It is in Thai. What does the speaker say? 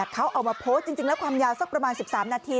เขาเอามาโพสต์จริงแล้วความยาวสักประมาณ๑๓นาที